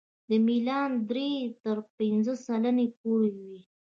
دا میلان د درې تر پنځه سلنې پورې وي